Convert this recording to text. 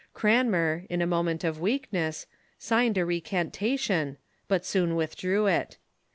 Cranmer, in a moment of weakness, signed a recantation, but soon withdrew it.